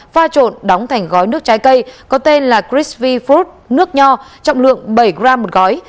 pha trộn đóng thành gói nước trái cây có tên là crispy fruit nước nho trọng lượng bảy g một gói